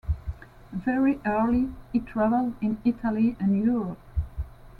Very early he traveled in Italy and Europe.